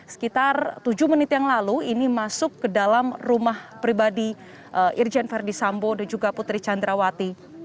sekitar tujuh menit yang lalu ini masuk ke dalam rumah pribadi irjen verdi sambo dan juga putri candrawati